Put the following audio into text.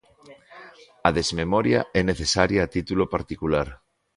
A desmemoria é necesaria a título particular.